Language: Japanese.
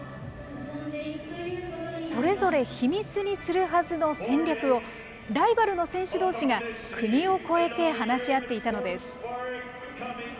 それぞれ秘密にするはずの戦略を、ライバルの選手どうしが、国を超えて話し合っていたのです。